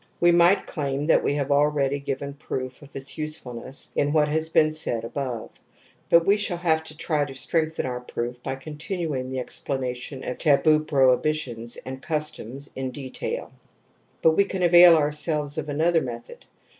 We might claim that we have already given proof of its usefulness in what has been Sftid above ; but we shall have to try to 60 TOTEM AND TABOO strengthen our proof by continuing the explana tion of taboo prohibitions and customs in detail. But we can avail oiu'selves of another method.